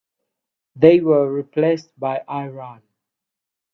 They were replaced by Iran.